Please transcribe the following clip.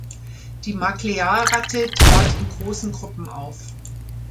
Die Maclear-Ratte trat in großen Gruppen auf.